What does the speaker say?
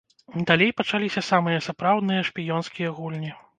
Далей пачаліся самыя сапраўдныя шпіёнскія гульні.